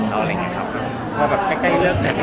อเจมส์ออกไว้กับท่านเดิม